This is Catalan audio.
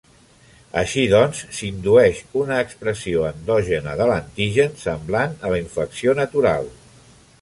Així doncs, s'indueix una expressió endògena de l'antigen, semblant a la infecció natural.